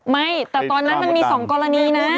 ไม่แต่ตอนนั้นมันมี๒กรณีนะ